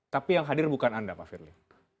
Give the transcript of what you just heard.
tapi yang hadir bukan anda pak firly